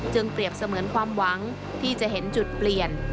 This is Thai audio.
เปรียบเสมือนความหวังที่จะเห็นจุดเปลี่ยน